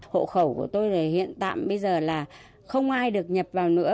hộ khẩu của tôi hiện tại bây giờ là không ai được nhập vào nữa